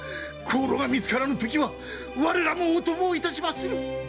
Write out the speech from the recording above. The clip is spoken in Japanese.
香炉が見つからぬときは我らもお供をいたしまする！